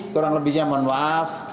kurang lebihnya mohon maaf